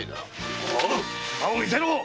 顔を見せろ！